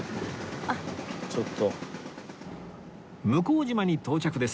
向島に到着です